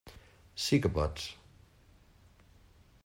Sí que pots.